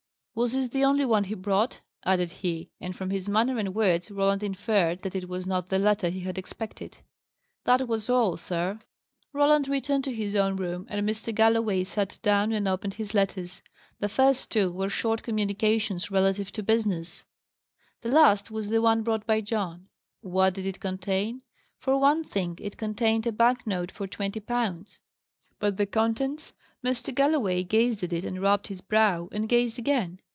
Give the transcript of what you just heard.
"Was this the only one he brought?" added he; and from his manner and words Roland inferred that it was not the letter he had expected. "That was all, sir." Roland returned to his own room, and Mr. Galloway sat down and opened his letters. The first two were short communications relative to business; the last was the one brought by John. What did it contain? For one thing, It contained a bank note for twenty pounds. But the contents? Mr. Galloway gazed at it and rubbed his brow, and gazed again.